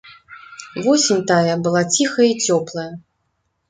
Восень тая была ціхая і цёплая.